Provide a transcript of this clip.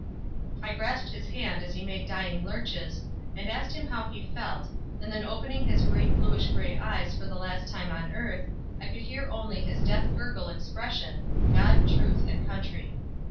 I grasped his hand as he made dying lurches, and asked him how he felt, and then opening his great bluish gray eyes for the last time on earth, I could hear only his death gurgle expression: "God, Truth and Country!"